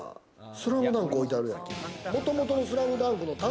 『ＳＬＡＭＤＵＮＫ』置いてあるやん。